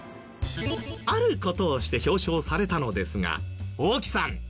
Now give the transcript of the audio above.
ある事をして表彰されたのですが大木さん